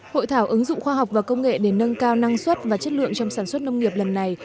hội thảo ứng dụng khoa học và công nghệ để nâng cao năng suất và chất lượng trong sản xuất nông nghiệp lần này